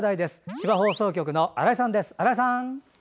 千葉放送局の新井さん。